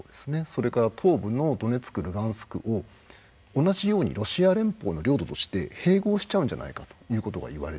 それから東部のドネツクルガンスクを同じようにロシア連邦の領土として併合しちゃうんじゃないかということがいわれています。